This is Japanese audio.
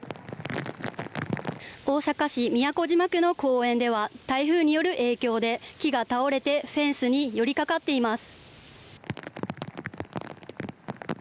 大阪市都島区の公園では台風による影響で木が倒れてフェンスに寄りかかっています。